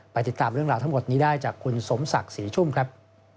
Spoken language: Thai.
ติดตามเรื่องราวทั้งหมดนี้ได้จากคุณสมศักดิ์ศรีชุ่มครับ